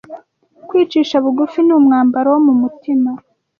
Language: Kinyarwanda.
Kwicisha bugufi ni umwambaro wo mu mutima